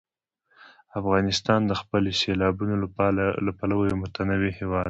افغانستان د خپلو سیلابونو له پلوه یو متنوع هېواد دی.